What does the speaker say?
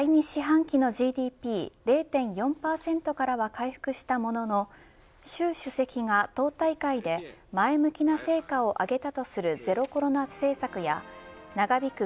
第２四半期のＧＤＰ０．４％からは回復したものの習主席が党大会で前向きな成果を挙げたとするゼロコロナ政策や長引く